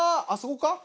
あそこか？